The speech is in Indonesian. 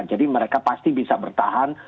jadi mereka pasti bisa bertahan